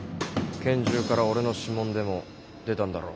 拳銃から俺の指紋でも出たんだろ？